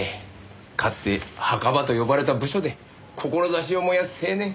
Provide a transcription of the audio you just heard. かつて墓場と呼ばれた部署で志を燃やす青年。